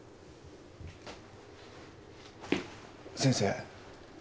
先生。